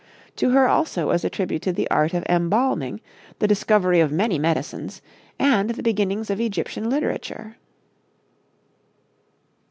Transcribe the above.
To her also was attributed the art of embalming, the discovery of many medicines and the beginnings of Egyptian literature.